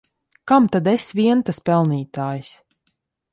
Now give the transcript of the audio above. Kam tad es vien tas pelnītājs!